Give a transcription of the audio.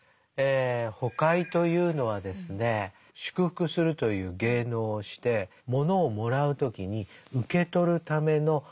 「ほかひ」というのはですね祝福するという芸能をしてものをもらう時に受け取るための入れ物なんですね。